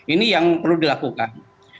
ini yang perlu dilakukan